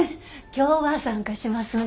今日は参加しますんで。